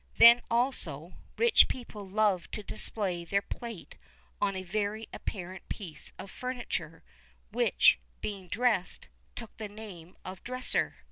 Then also, rich people loved to display their plate on a very apparent piece of furniture, which, being dressed, took the name of "dresser."